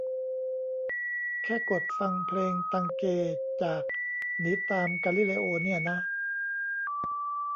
แค่กดฟังเพลง "ตังเก" จาก "หนีตามกาลิเลโอ" เนี่ยนะ